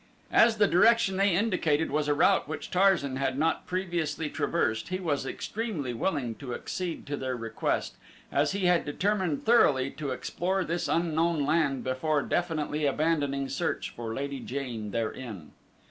As the direction they indicated was a route which Tarzan had not previously traversed he was extremely willing to accede to their request, as he had determined thoroughly to explore this unknown land before definitely abandoning search for Lady Jane therein.